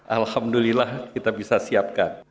alhamdulillah kita bisa siapkan